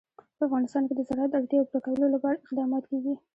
په افغانستان کې د زراعت د اړتیاوو پوره کولو لپاره اقدامات کېږي.